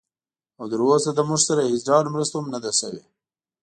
او تراوسه له موږ سره هېڅ ډول مرسته هم نه ده شوې